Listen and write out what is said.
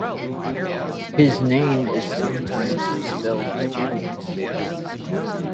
His name is sometimes spelled Jennings.